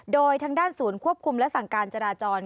โดยทางด้านศูนย์ควบคุมและสั่งการจราจร